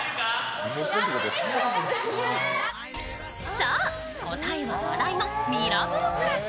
そう、答えは話題のミラブルプラス。